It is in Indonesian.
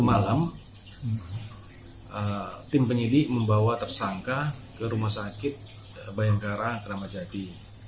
malam tim penyidik membawa tersangka ke rumah sakit bayangkara keramat jati